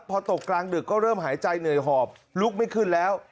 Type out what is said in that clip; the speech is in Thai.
พอตกกลางดึกก็เริ่มหายใจเหนื่อยหอบลุกไม่ขึ้นแล้ว